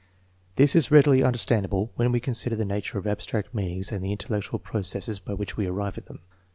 This is readily understandable when we consider the nature of abstract meanings and the intellectual processes by which we arrive at them.